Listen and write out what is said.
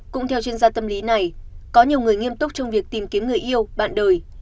cũng theo chuyên gia tâm lý này có nhiều người nghiêm túc trong việc tìm kiếm người yêu bạn đời